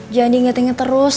jangan diinget inget terus